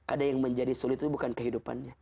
ada yang menjadi sulit itu bukan kehidupannya